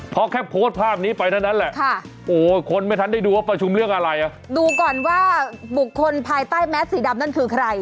พอแค่โพสต์ภาพนี้ไปเท่านั้นแหละโอ้คนไม่ทันได้ดูว่าประชุมเรื่องอะไรอ่ะดูก่อนว่าบุคคลภายใต้แมสสีดำนั่นคือใคร